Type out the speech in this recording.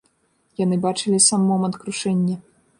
Яны бачылі сам момант крушэння.